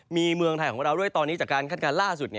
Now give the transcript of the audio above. มีเมืองไทยของเราด้วยตอนนี้จากการคาดการณ์ล่าสุด